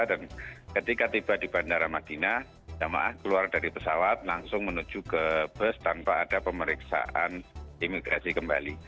dan ketika tiba di bandara madinah keluar dari pesawat langsung menuju ke bus tanpa ada pemeriksaan imigrasi kembali